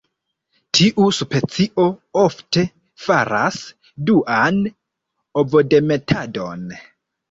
Tiu specio ofte faras duan ovodemetadon.